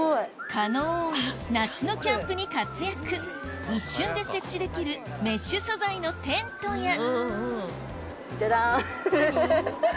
蚊の多い夏のキャンプに活躍一瞬で設置できるメッシュ素材のテントやジャジャンフフフ。